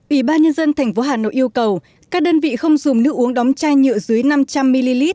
ủy ban nhân dân tp hà nội yêu cầu các đơn vị không dùng nước uống đóng chai nhựa dưới năm trăm linh ml